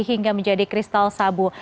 hingga menjadi kristal sabu